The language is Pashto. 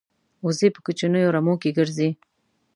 وزې په کوچنیو رمو کې ګرځي